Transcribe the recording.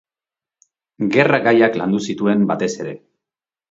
Gerra gaiak landu zituen batez ere.